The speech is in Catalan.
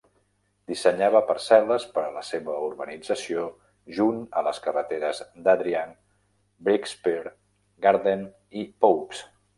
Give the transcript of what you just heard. Dissenyava parcel·les per a la seva urbanització junt a les carreteres d'Adrian, Breakspear, Garden i Popes.